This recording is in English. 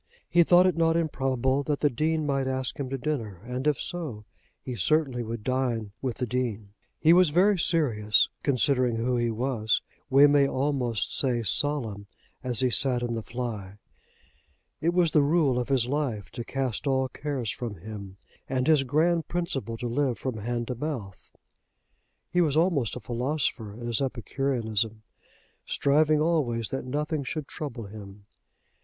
He thought it not improbable that the Dean might ask him to dinner, and, if so, he certainly would dine with the Dean. He was very serious, considering who he was, we may almost say solemn, as he sat in the fly. It was the rule of his life to cast all cares from him, and his grand principle to live from hand to mouth. He was almost a philosopher in his epicureanism, striving always that nothing should trouble him.